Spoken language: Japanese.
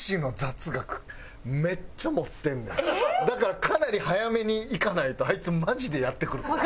だからかなり早めにいかないとあいつマジでやってくるぞ？